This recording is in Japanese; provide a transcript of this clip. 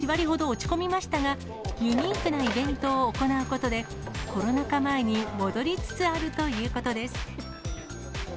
コロナ禍で売り上げは８割ほど落ち込みましたが、ユニークなイベントを行うことで、コロナ禍前に戻りつつあるということです。